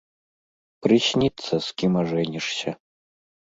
Прысніцца, з кім ажэнішся.